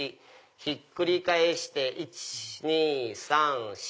ひっくり返して１・２・３・４。